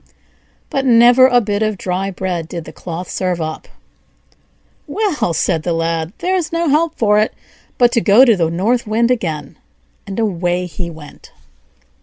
But never a bit of dry bread did the cloth serve up. "Well," said the Lad "there's no help for it but to go to the North Wind again;" and away he went.